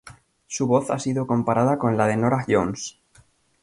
Su voz ha sido comparada con la de Norah Jones.